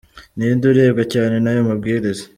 Ni nde urebwa cyane n’ayo mabwiriza ?